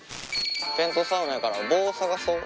テントサウナやから棒を探そう。